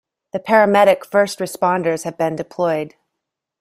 The paramedic first responders have been deployed.